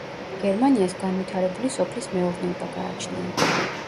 გერმანიას განვითარებული სოფლის მეურნეობა გააჩნია.